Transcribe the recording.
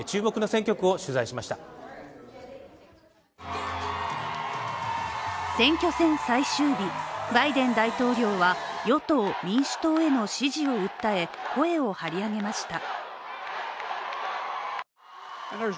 選挙戦最終日、バイデン大統領は与党・民主党への支持を訴え、声を張り上げました。